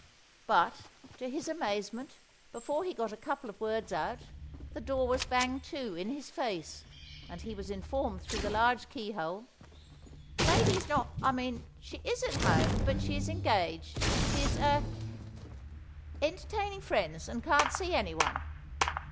But, to his amazement, before he got a couple of words out, the door was banged to, in his face, and he was informed through the large keyhole— "The lady is not—I mean—she is at home, but she is engaged; she is—er—she is entertaining friends and can't see anyone."